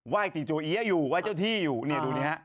ไหว่ติวโชเกียร์อยู่ไหว่เจ้าที่อยู่รูตอคนนี้